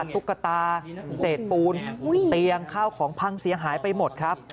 ตุ๊กตาเศษปูนเตียงข้าวของพังเสียหายไปหมดครับ